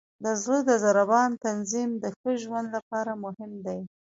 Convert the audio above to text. د زړه د ضربان تنظیم د ښه ژوند لپاره مهم دی.